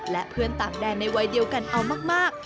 และเพื่อนต่างแดนในวัยเดียวกันเอามาก